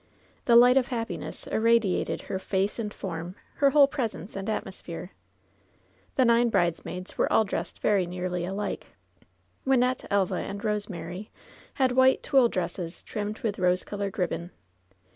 The light of hap piness irradiated her face and form — ^her whole presr ence and atmosphere. Tho nine bridesmaids were all dressed very nearly alike. Wynnette, Elva and Rosemary had white tulle dresses trimmed with rose colored ribbon.